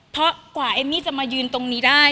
เพราะกว่าเอมมี่จะมายืนตรงนี้ได้